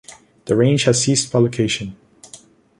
The range has ceased publication.